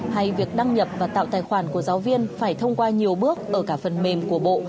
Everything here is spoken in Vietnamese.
hay việc đăng nhập và tạo tài khoản của giáo viên phải thông qua nhiều bước ở cả phần mềm của bộ